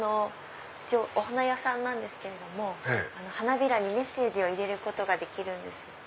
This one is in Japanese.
一応お花屋さんなんですけど花びらにメッセージを入れることができるんです。